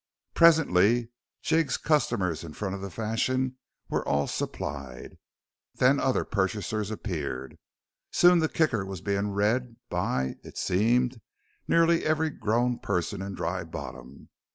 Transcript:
Presently Jigg's customers in front of the Fashion were all supplied. Then other purchasers appeared. Soon the Kicker was being read by it seemed nearly every grown person in Dry Bottom.